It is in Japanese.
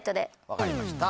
分かりました。